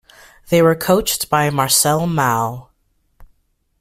They were coached by Marcel Mao.